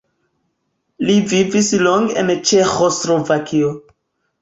Li vivis longe en Ĉeĥoslovakio.